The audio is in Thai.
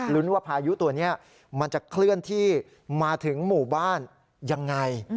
ว่าพายุตัวนี้มันจะเคลื่อนที่มาถึงหมู่บ้านยังไง